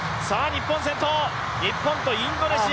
日本先頭日本とインドネシア。